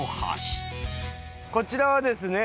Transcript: こちらはですね